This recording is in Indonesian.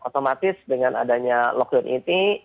otomatis dengan adanya lockdown ini